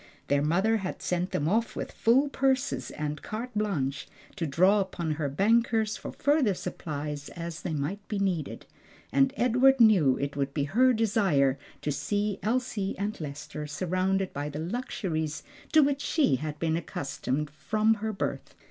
Their mother had sent them off with full purses and carte blanche to draw upon her bankers for further supplies as they might be needed; and Edward knew it would be her desire to see Elsie and Lester surrounded by the luxuries to which she had been accustomed from her birth.